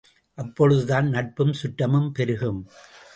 அப்பொழுதுதான் நட்பும் சுற்றமும் பெருகும்.